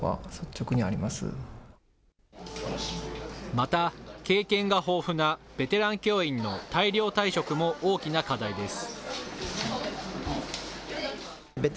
また、経験が豊富なベテラン教員の大量退職も大きな課題です。